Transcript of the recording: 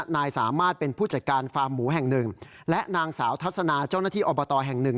นายสามารถเป็นผู้จัดการฟาร์มหมูแห่งหนึ่งและนางสาวทัศนาเจ้าหน้าที่อบตแห่งหนึ่ง